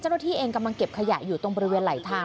เจ้าหน้าที่เองกำลังเก็บขยะอยู่ตรงบริเวณไหลทาง